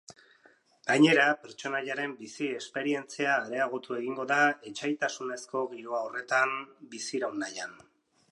Gainera, pertsonaiaren bizi-esperientzia areagotu egingo da etsaitasunezko giroa horretan biziraun nahian.